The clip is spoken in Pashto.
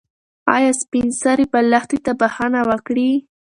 ایا سپین سرې به لښتې ته بښنه وکړي؟